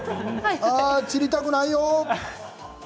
散りたくないよ。